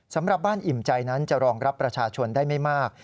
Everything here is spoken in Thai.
สำหรับบ้านอิ่มใจนั้นจะรองรับประชาชนได้ไม่มาก